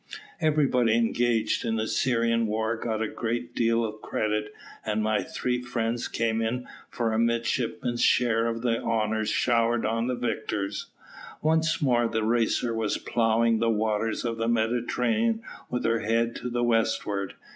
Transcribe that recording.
Everybody engaged in the Syrian war got a great deal of credit, and my three friends came in for a midshipman's share of the honours showered on the victors. Once more the Racer was ploughing the waters of the Mediterranean with her head to the westward.